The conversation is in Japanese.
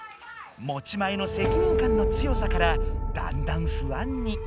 持ち前の責任感の強さからだんだん不安に。